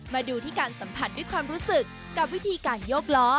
มาดูที่การสัมผัสด้วยความรู้สึกกับวิธีการโยกล้อ